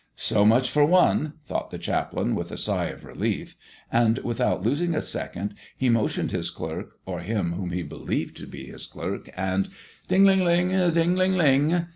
"So much for one!" thought the chaplain, with a sigh of relief; and without losing a second, he motioned his clerk, or him whom he believed to be his clerk, and Ding, ling, ling! Ding, ling, ling!